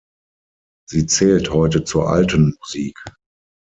Sie zählt heute zur Alten Musik.